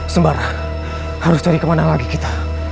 sembarang harus cari kemana lagi kita